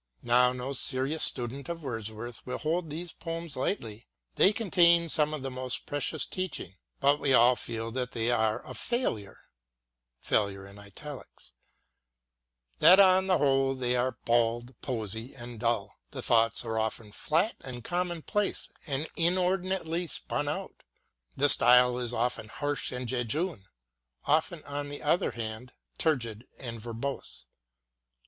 Now, no serious student of Wordsworth will hold these poems lightly — ^they contain some of his most precious teaching. But we all feel that they are a Jailure, that on the whole they are bald, prosy and dull ; the thoughts are often flat and commonplace, and inordinately spun out : the style is often harsh and jejune, often on the other hand turgid and verbose.